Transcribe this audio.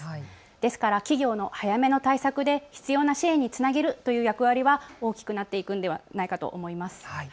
ですから企業の早めの対策で必要な支援につなげるという役割は大きくなっていくのではないかと思います。